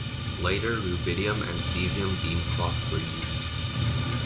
Later rubidium and cesium beam clocks were used.